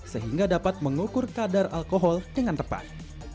sehingga dapat mengukur kadar alkohol dengan tepat